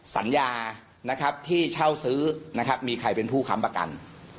สัญญาที่เช่าซื้อมีใครเป็นผู้ค้ำประกัน